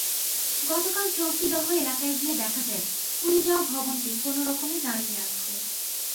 গতকাল চৌকিদহ এলাকায় গিয়ে দেখা যায়, পুড়ে যাওয়া ভবনটি কোনোরকমে দাঁড়িয়ে আছে।